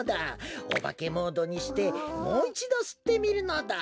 おばけモードにしてもういちどすってみるのだ！